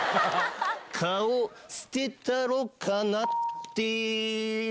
顔捨てたろかなって。